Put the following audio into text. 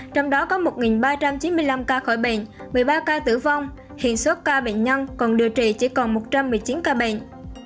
trong đó có một ba trăm chín mươi năm ca khỏi bệnh một mươi ba ca tử vong hiện số ca bệnh nhân còn điều trị chỉ còn một trăm một mươi chín ca bệnh